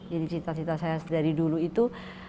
jadi cita cita saya dari dulu itu